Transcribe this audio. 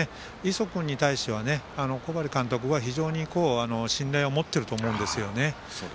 磯君に対しては小針監督は非常に信頼を持っていると思うんですよね。